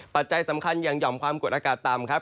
ปัจจัยสำคัญอย่างห่อมความกดอากาศต่ำครับ